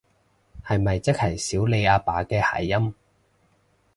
係咪即係少理阿爸嘅諧音？